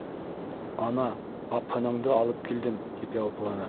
Ана, апһыныңды алып килдем, — тип яуапланы.